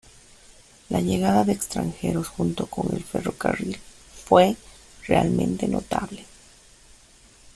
La llegada de extranjeros junto con el ferrocarril fue realmente notable.